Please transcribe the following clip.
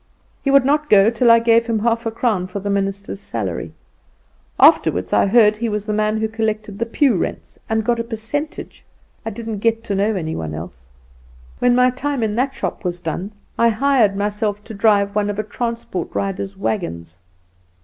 "He would not go till I gave him half a crown for the minister's salary. Afterward I heard he was the man who collected the pew rents and got a percentage. I didn't get to know any one else. "When my time in that shop was done I hired myself to drive one of a transport rider's wagons.